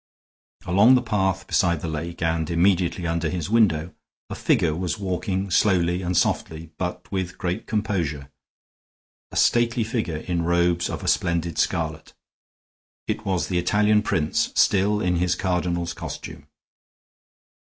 Along the path beside the lake, and immediately under his window, a figure was walking slowly and softly, but with great composure a stately figure in robes of a splendid scarlet; it was the Italian prince, still in his cardinal's costume.